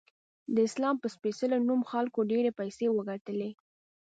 د اسلام په سپیڅلې نوم خلکو ډیرې پیسې وګټلی